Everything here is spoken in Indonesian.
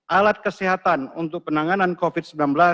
alat kesehatan untuk penanganan covid sembilan belas